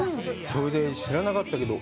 それで、知らなかったけど、